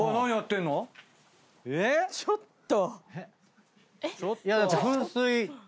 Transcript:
ちょっと！